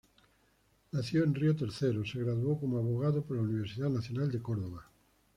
Nacido en Río Tercero, se graduó como abogado por la Universidad Nacional de Córdoba.